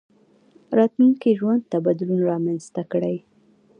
راتلونکي ژوند ته بدلون رامنځته کړئ.